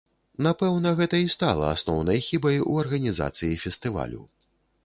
Напэўна, гэта і стала асноўнай хібай у арганізацыі фестывалю.